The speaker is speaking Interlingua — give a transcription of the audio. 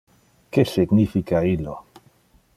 Que significa illo?